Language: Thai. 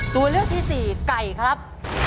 ตัวเลือกที่สี่ไก่ครับ